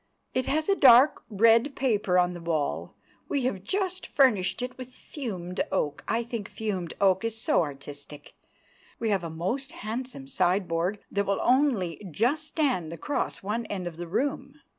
"It has a dark red paper on the wall. We have just furnished it with fumed oak. I think fumed oak is so artistic. We have a most handsome sideboard that will only just stand across one end of the room.